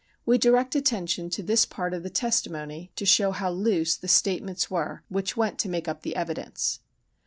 We direct attention to this part of the testimony, to show how loose the statements were which went to make up the evidence.